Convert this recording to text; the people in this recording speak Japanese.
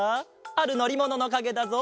あるのりもののかげだぞ。